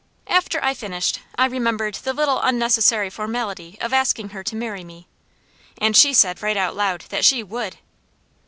After I finished, I remembered the little unnecessary formality of asking her to marry me; and she said right out loud that she WOULD.